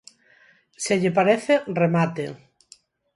Se lle parece, remate.